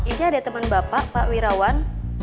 ini ada teman bapak pak wirawan